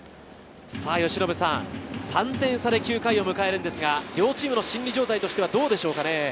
３点差で９回を迎えるんですが、両チームの心理状態としてはどうでしょうか？